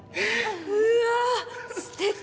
うわすてき！